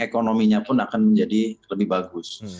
ekonominya pun akan menjadi lebih bagus